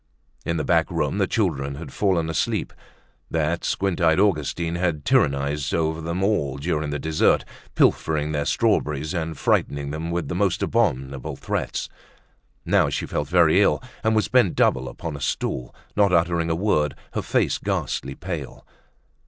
In the back room the children had fallen asleep. That squint eyed Augustine had tyrannized over them all during the dessert, pilfering their strawberries and frightening them with the most abominable threats. Now she felt very ill, and was bent double upon a stool, not uttering a word, her face ghastly pale.